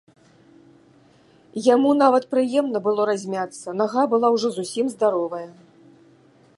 Яму нават прыемна было размяцца, нага была ўжо зусім здаровая.